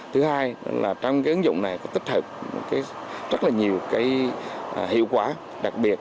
thứ hai là trong cái ứng dụng này có tích hợp rất là nhiều cái hiệu quả đặc biệt